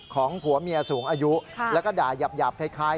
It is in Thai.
ผัวเมียสูงอายุแล้วก็ด่ายาบคล้าย